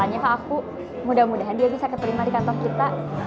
marahnya kak aku mudah mudahan dia bisa ke terima di kantor kita